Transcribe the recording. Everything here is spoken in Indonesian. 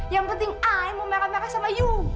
yang penting ayah mau merah merah sama you